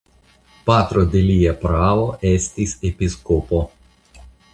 Patro de lia praavo estis episkopo.